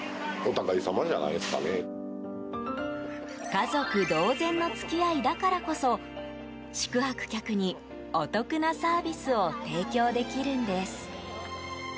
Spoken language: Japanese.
家族同然の付き合いだからこそ宿泊客に、お得なサービスを提供できるんです。